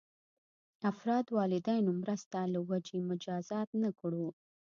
افراد والدینو مرسته له وجې مجازات نه کړو.